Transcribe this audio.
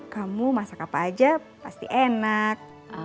kamu masak apa aja pasti enak